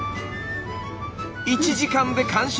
１時間で完食！